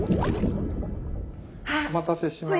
お待たせしました。